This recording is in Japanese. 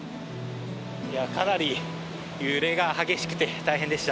かなり揺れが激しくて大変でした。